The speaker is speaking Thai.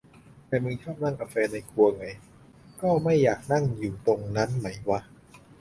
แต่มึงชอบนั่งกะแฟนในครัวไง~~ ก็ไม่อยากนั่งอยู่ตรงนั้นไหมวะ